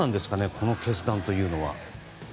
この決断というのは。